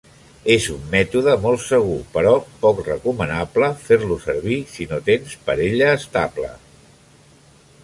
És un mètode molt segur però poc recomanable fer-lo servir si no tens parella estable.